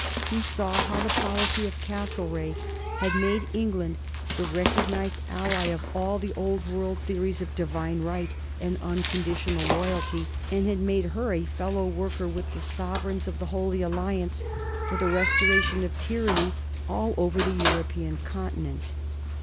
He saw how the policy of Castlereagh had made England the recognized ally of all the old world theories of divine right and unconditional loyalty, and had made her a fellow worker with the sovereigns of the Holy Alliance for the restoration of tyranny all over the European continent.